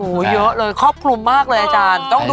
โอ้โหเยอะเลยครอบคลุมมากเลยอาจารย์